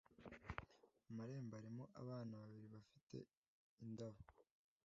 amarembo arimo abana babiri bafite indabo,